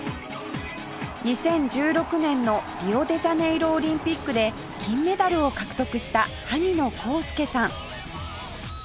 ２０１６年のリオデジャネイロオリンピックで金メダルを獲得した萩野公介さん